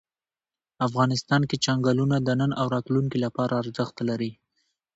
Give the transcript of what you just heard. افغانستان کې چنګلونه د نن او راتلونکي لپاره ارزښت لري.